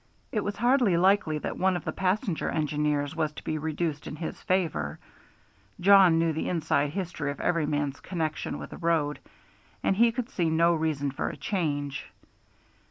It was hardly likely that one of the passenger engineers was to be reduced in his favor; Jawn knew the inside history of every man's connection with the road, and he could see no reason for a change.